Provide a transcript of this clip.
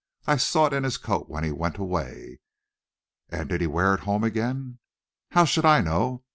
I saw it in his coat when he went away." "And did he wear it home again?" "How should I know?"